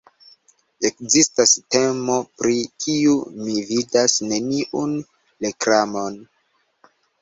Ekzistas temo pri kiu mi vidas neniun reklamon: